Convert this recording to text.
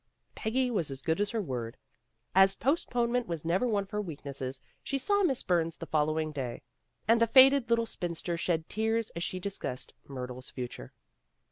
Peggy was as good as her word. As post ponement was never one of her weaknesses, she saw Miss Burns the following day, and 106 PEGGY RAYMOND'S WAY the faded little spinster shed tears as she dis cussed Myrtle's future.